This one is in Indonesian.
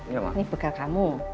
ini bekal kamu